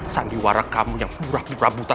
sandiwara kamu yang burah burah buta